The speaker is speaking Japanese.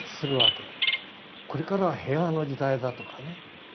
これからは平和の時代だとかね